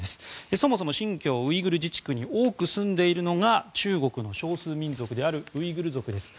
そもそも新疆ウイグル自治区に多く住んでいるのが中国の少数民族であるウイグル族です。